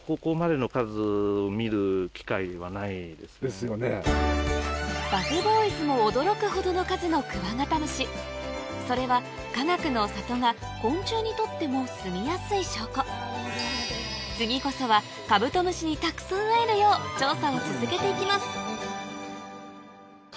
そうですね。ですよね。ＢｕｇＢｏｙｓも驚くほどの数のクワガタムシそれはかがくの里が昆虫にとってもすみやすい証拠次こそはカブトムシにたくさん会えるよう調査を続けて行きます